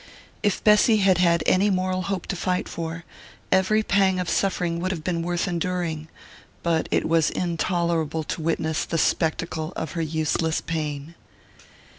If Bessy had had any moral hope to fight for, every pang of suffering would have been worth enduring; but it was intolerable to witness the spectacle of her useless pain.